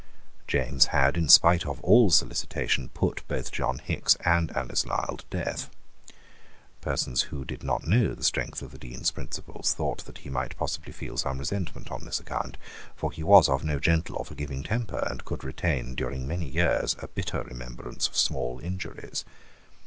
James had, in spite of all solicitation, put both John Hickes and Alice Lisle to death. Persons who did not know the strength of the Dean's principles thought that he might possibly feel some resentment on this account: for he was of no gentle or forgiving temper, and could retain during many years a bitter remembrance of small injuries.